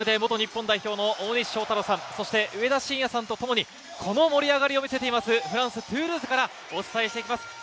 あらためて元日本代表の大西将太郎さん、上田晋也さんとともにこの盛り上がりを見せています、フランス・トゥールーズからお伝えしていきます。